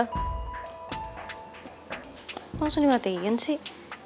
kok langsung dimatikan sih